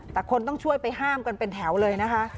แต่คนต้องช่วยไปห้ามกันเป็นแถวเลยนะคะ